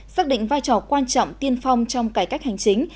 xác định vai trò quan trọng tiên phong trong cải cách hành chính